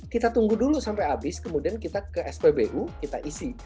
kita tunggu dulu sampai habis kemudian kita ke spbu kita isi